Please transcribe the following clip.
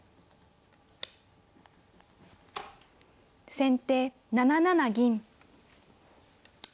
先手７七銀。